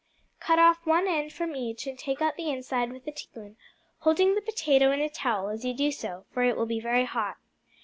Cut off one end from each and take out the inside with a teaspoon, holding the potato in a towel as you do so, for it will be very hot.